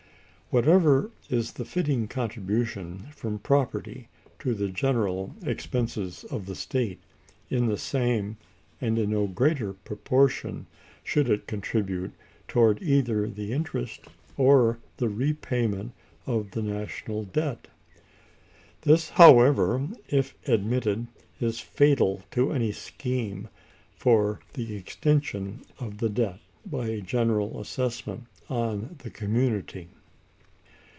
Whatever is the fitting contribution from property to the general expenses of the state, in the same, and in no greater proportion, should it contribute toward either the interest or the repayment of the national debt. This, however, if admitted, is fatal to any scheme for the extinction of the debt by a general assessment on the community.